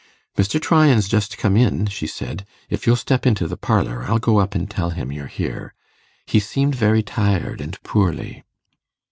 'Mr. Tryan's just come in,' she said. 'If you'll step into the parlour, I'll go up and tell him you're here. He seemed very tired and poorly.